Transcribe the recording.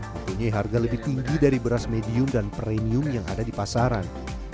mempunyai harga lebih tinggi dari beras medium dan premium yang ada di pasaran